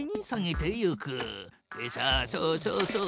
さあそうそうそう。